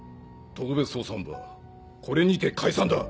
特別捜査本部はこれにて解散だ。